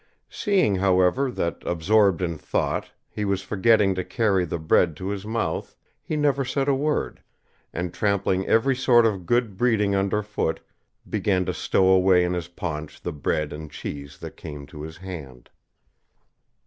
Seeing, however, that, absorbed in thought, he was forgetting to carry the bread to his mouth, he said never a word, and trampling every sort of good breeding under foot, began to stow away in his paunch the bread and cheese that came to his hand.